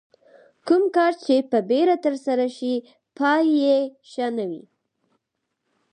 کوم کار چې په بیړه ترسره شي پای یې ښه نه وي.